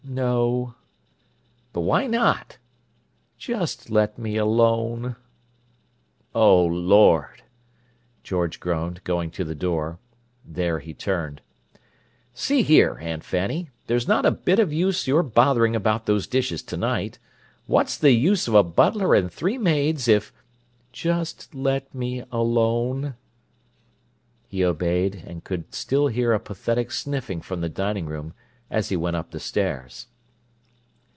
"No." "But, why not?" "Just let me alone." "Oh, Lord!" George groaned, going to the door. There he turned. "See here, Aunt Fanny, there's not a bit of use your bothering about those dishes tonight. What's the use of a butler and three maids if—" "Just let me alone." He obeyed, and could still hear a pathetic sniffing from the dining room as he went up the stairs.